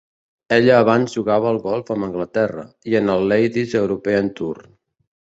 Ella abans jugava al golf amb Anglaterra i en el Ladies European Tour.